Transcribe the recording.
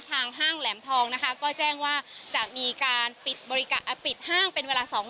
ห้างแหลมทองนะคะก็แจ้งว่าจะมีการปิดห้างเป็นเวลาสองวัน